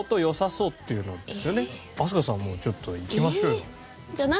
飛鳥さんもちょっといきましょうよ。